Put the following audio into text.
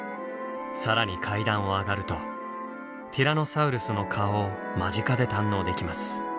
更に階段を上がるとティラノサウルスの顔を間近で堪能できます。